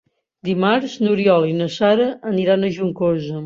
Dimarts n'Oriol i na Sara aniran a Juncosa.